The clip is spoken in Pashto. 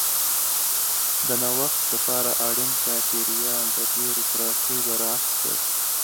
د نوښت لپاره اړین چاپېریال د بیوروکراسي برعکس دی.